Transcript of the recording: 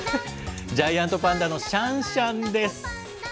ジャイアントパンダのシャンシャンです。